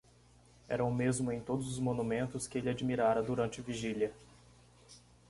Era o mesmo em todos os monumentos que ele admirara durante a vigília.